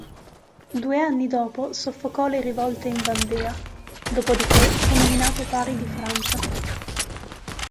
Due anni dopo soffocò le rivolte in Vandea, dopodiché fu nominato Pari di Francia.